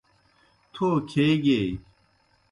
تھو کھیگیئی۔